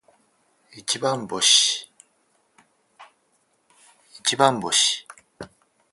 一番星